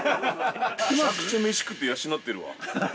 めちゃくちゃ飯食わせて養ってるわ。